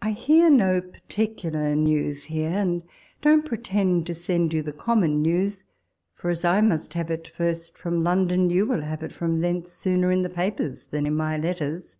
I HEAR no particular news here, and don't pretend to send you the common news ; for as I must have it first from London, you will have it from thence sooner in the papers than in my letters.